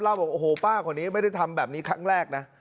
บอกโอ้โหป้าคนนี้ไม่ได้ทำแบบนี้ครั้งแรกนะ